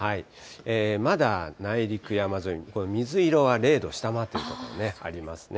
まだ内陸山沿い、水色は０度下回ってる所ありますね。